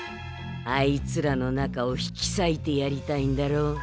あいつらの仲を引きさいてやりたいんだろう？